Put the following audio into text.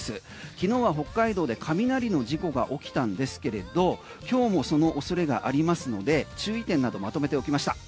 昨日は北海道で雷の事故が起きたんですけれど今日もその恐れがありますので注意点などまとめておきました。